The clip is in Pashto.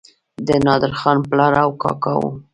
د نادرخان پلار او کاکا وو.